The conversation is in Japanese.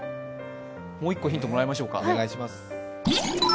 もう１個ヒントもらいましょうか。